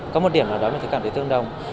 có một điểm ở đó mình cảm thấy tương đồng